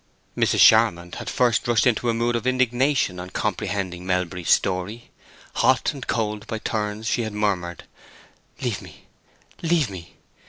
Mrs. Charmond had first rushed into a mood of indignation on comprehending Melbury's story; hot and cold by turns, she had murmured, "Leave me, leave me!"